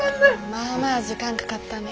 まあまあ時間かかったね。